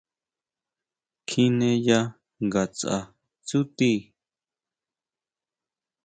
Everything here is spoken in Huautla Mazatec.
Kjineya ngatsʼa tsúti.